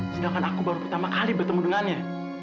sedangkan aku baru pertama kali bertemu dengannya